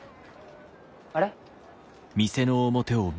あれ？